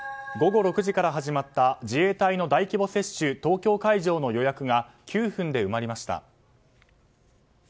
午後６時から始まった自衛隊の大規模接種東京会場の予約が９分で埋まりました。